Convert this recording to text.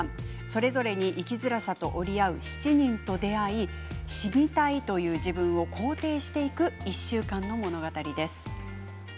それぞれに生きづらさと折り合う７人と出会い死にたいと思う自分を肯定していく１週間の物語です。